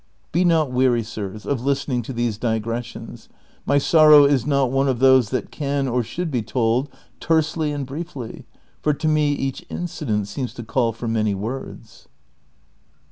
Be not weary, sirs, of listening to these digressions ; my sorrow is not one of those that can or should be told tersely and briefly, for to me each incident seems to call for many words.